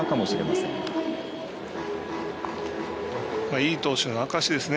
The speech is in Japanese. いい投手の証しですね。